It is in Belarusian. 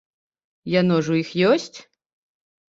Яно ж у іх ёсць?